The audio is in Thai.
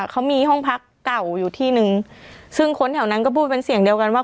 เขามีห้องพักเก่าอยู่ที่นึงซึ่งคนแถวนั้นก็พูดเป็นเสียงเดียวกันว่า